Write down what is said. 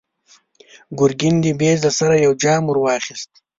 ګرګين د مېز له سره يو جام ور واخيست.